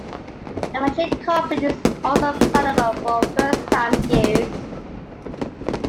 A magic carpet is also available for first-time skiers.